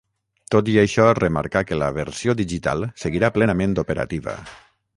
Tot i això, remarcà que la versió digital seguirà plenament operativa.